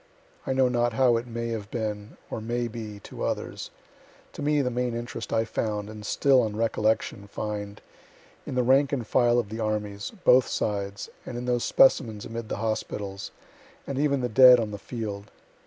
I know not how it may have been, or may be, to others to me the main interest I found, (and still, on recollection, find,) in the rank and file of the armies, both sides, and in those specimens amid the hospitals, and even the dead on the field.